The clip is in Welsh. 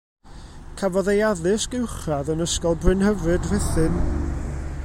Cafodd ei addysg uwchradd yn Ysgol Brynhyfryd, Rhuthun.